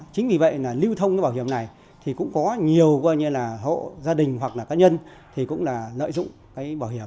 chính vì vậy là lưu thông cái bảo hiểm này thì cũng có nhiều coi như là hộ gia đình hoặc là cá nhân thì cũng là lợi dụng cái bảo hiểm